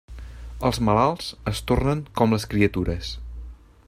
Els malalts es tornen com les criatures.